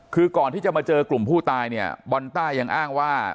คือก่อนที่จะมาเจอกลุ่มผู้ตายเนี่ยบอลต้ายังอ้างว่า